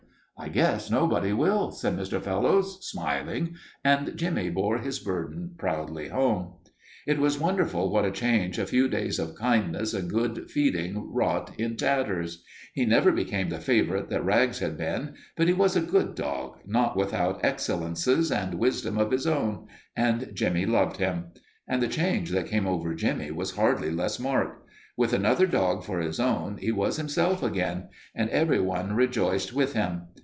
"I guess nobody will," said Mr. Fellowes, smiling, and Jimmie bore his burden proudly home. It was wonderful what a change a few days of kindness and good feeding wrought in Tatters. He never became the favorite that Rags had been, but he was a good dog, not without excellences and wisdom of his own, and Jimmie loved him. And the change that came over Jimmie was hardly less marked. With another dog for his own he was himself again, and everyone rejoiced with him.